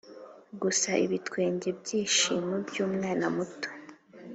gusa ibitwenge byishimo byumwana muto. "